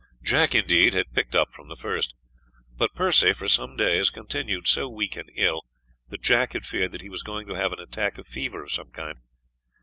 Jack, indeed, had picked up from the first, but Percy for some days continued so weak and ill that Jack had feared that he was going to have an attack of fever of some kind.